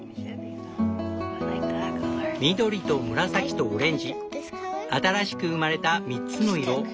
緑と紫とオレンジ新しく生まれた３つの色。